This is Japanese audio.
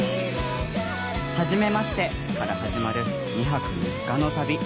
「はじめまして」から始まる２泊３日の旅。